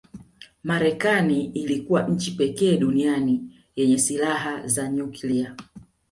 Marekani ilikuwa nchi pekee duniani yenye silaha za nyuklia